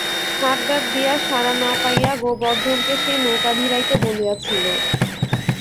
হাকডাক দিয়া সাড়া না পাইয়া গোবর্ধনকে সে নৌকা ভিড়াইতে বলিয়াছিল।